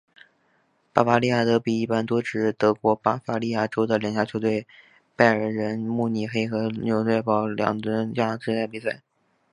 巴伐利亚德比一般多指指德国巴伐利亚州的两家球队拜仁慕尼黑和纽伦堡之间的比赛。